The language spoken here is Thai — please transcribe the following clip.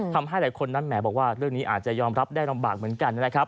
ทำให้หลายคนนั้นแหมบอกว่าเรื่องนี้อาจจะยอมรับได้ลำบากเหมือนกันนะครับ